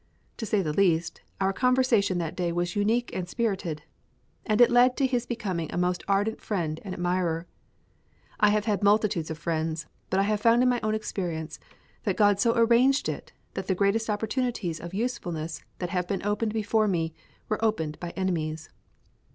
To say the least, our conversation that day was unique and spirited, and it led to his becoming a most ardent friend and admirer. I have had multitudes of friends, but I have found in my own experience that God so arranged it that the greatest opportunities of usefulness that have been opened before me were opened by enemies.